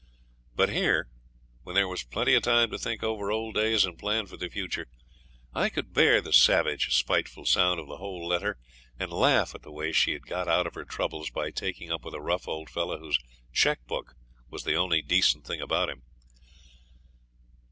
But here, when there was plenty of time to think over old days and plan for the future, I could bear the savage, spiteful sound of the whole letter and laugh at the way she had got out of her troubles by taking up with a rough old fellow whose cheque book was the only decent thing about him.